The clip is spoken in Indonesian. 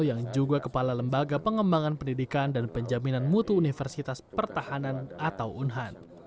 yang juga kepala lembaga pengembangan pendidikan dan penjaminan mutu universitas pertahanan atau unhan